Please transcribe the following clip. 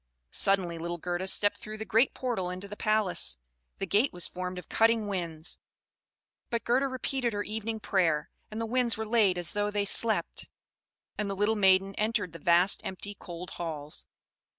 Suddenly little Gerda stepped through the great portal into the palace. The gate was formed of cutting winds; but Gerda repeated her evening prayer, and the winds were laid as though they slept; and the little maiden entered the vast, empty, cold halls.